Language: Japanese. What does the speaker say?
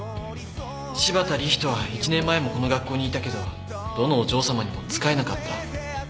柴田理人は１年前もこの学校にいたけどどのお嬢さまにも仕えなかった。